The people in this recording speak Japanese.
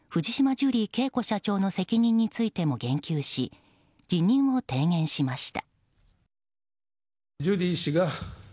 ジュリー景子社長の責任についても言及し辞任を提言しました。